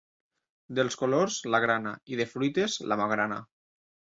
Dels colors, la grana, i, de fruites, la magrana.